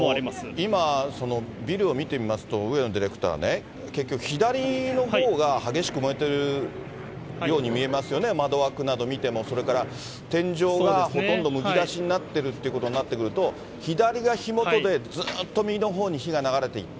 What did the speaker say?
今、ビルを見てみますと、上野ディレクターね、結局、左のほうが激しく燃えてるように見えますよね、窓枠など見ても、それから天井がほとんどむき出しになっているということになってくると、左が火元で、ずっと右のほうに火が流れていった。